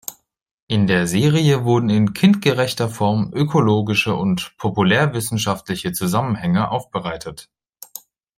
In der Serie wurden in kindgerechter Form ökologische und populärwissenschaftliche Zusammenhänge aufbereitet.